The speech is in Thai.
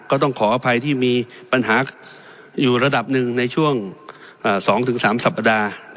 ก็ต้องขออภัยที่มีปัญหาอยู่ระดับหนึ่งในช่วง๒๓สัปดาห์